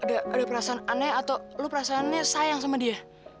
ada perasaan aneh atau lu perasaannya sayang sama dia